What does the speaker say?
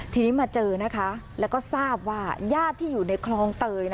ทีนี้มาเจอนะคะแล้วก็ทราบว่าญาติที่อยู่ในคลองเตย